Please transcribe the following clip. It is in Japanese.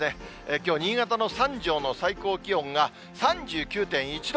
きょう、新潟の三条の最高気温が３９．１度。